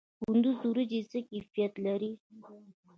د کندز وریجې څه کیفیت لري؟